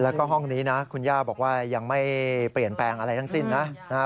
แล้วก็ห้องนี้นะคุณย่าบอกว่ายังไม่เปลี่ยนแปลงอะไรทั้งสิ้นนะนะฮะ